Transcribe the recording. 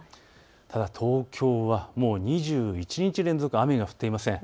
東京はもう２１日、連続雨が降っていません。